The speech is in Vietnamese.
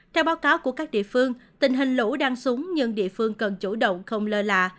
theo báo cáo của các địa phương tình hình lũ đang xuống nhưng địa phương cần chủ động không lơ là